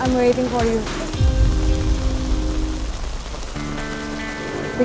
gue menunggu lo